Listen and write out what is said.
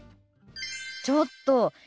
ちょっと！